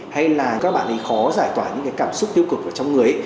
hay là các bạn ấy khó giải tỏa những cái cảm xúc tiêu cực ở trong người